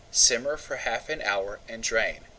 Simmer for half an hour and drain.